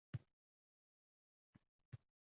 Mamlakat rahbariyati oqilona qaror qabul qildi.